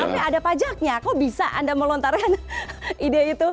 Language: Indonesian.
tapi ada pajaknya kok bisa anda melontarkan ide itu